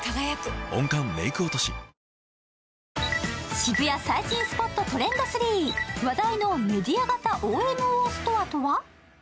渋谷最新スポット「トレンド３」話題のメディア型ＯＭＯストアとは？